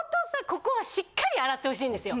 ここはしっかり洗って欲しいんですよ。